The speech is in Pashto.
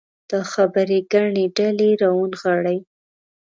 دا خبرې ګڼې ډلې راونغاړي.